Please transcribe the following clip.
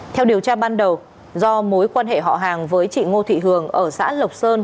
theo điều tra ban đầu do mối quan hệ họ hàng với chị ngô thị hường ở xã lộc sơn